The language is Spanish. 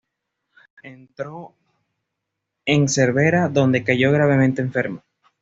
Entró en Cervera, donde cayó gravemente enfermo.